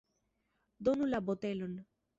Donu la botelon!